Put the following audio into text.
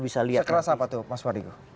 sekeras apa itu mas wadigu